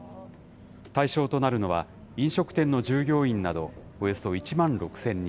対象となるのは飲食店の従業員など、およそ１万６０００人。